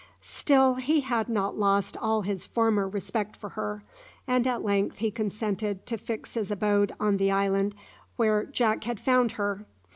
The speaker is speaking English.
Still he had not lost all his former respect for her, and at length he consented to fix his abode on the island where Jack had found her.